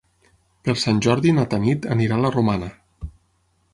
Per Sant Jordi na Tanit anirà a la Romana.